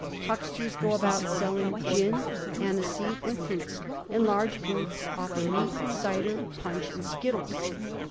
Hucksters go about selling gin, aniseed, and fruits, and large booths offer meat, cider, punch, and skittles.